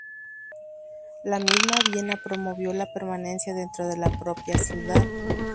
La misma Viena promovió la permanencia dentro de la propia ciudad.